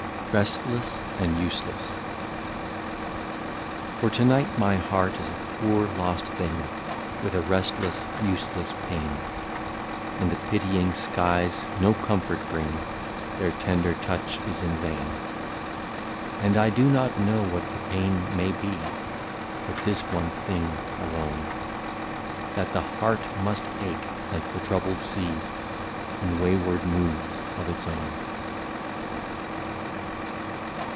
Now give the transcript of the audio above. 50 RESTLESS AND USELESS. For to night my heart is a poor lost thing, With a restless useless pain, And the pitying skies no comfort bring, — Their tender touch is in vain. And I do not know what the pain may be. But this one thing alone, — That the heart must ache like the troubled sea, In wayward moods of its own.